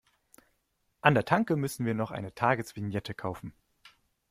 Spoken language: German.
An der Tanke müssen wir noch eine Tagesvignette kaufen.